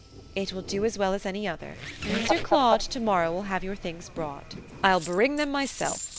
"It will do as well as any other. Sir Claude, to morrow, will have your things brought." "I'll bring them myself.